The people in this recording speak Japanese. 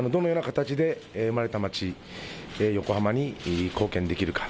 どのような形で生まれた町横浜に貢献できるか。